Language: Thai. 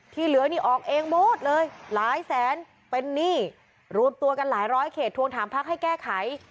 เหลือนี่ออกเองหมดเลยหลายแสนเป็นหนี้รวมตัวกันหลายร้อยเขตทวงถามพักให้แก้ไข